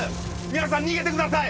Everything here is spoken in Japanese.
皆さん逃げてください！